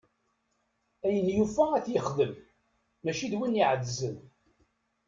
Ayen yufa ad t-yexdem, mačči d win iɛeddzen.